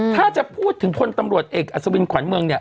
ถ้าจะพูดถึงพลตำรวจเอกอัศวินขวัญเมืองเนี่ย